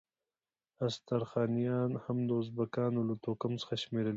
استرخانیان هم د ازبکانو له توکم څخه شمیرل کیږي.